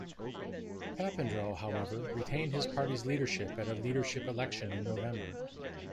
Papandreou, however, retained his party's leadership at a leadership election in November.